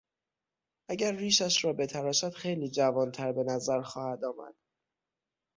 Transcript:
اگر ریشش را بتراشد خیلی جوانتر به نظر خواهد آمد.